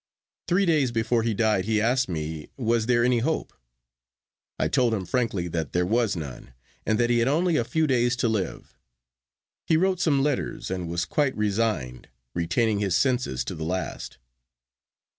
Three days before he died he asked me was there any hope. I told him frankly that there was none, and that he had only a few days to live. He wrote some letters, and was quite resigned, retaining his senses to the last.